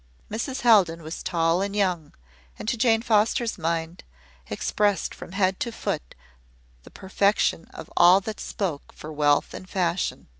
Mrs. Haldon was tall and young, and to Jane Foster's mind, expressed from head to foot the perfection of all that spoke for wealth and fashion.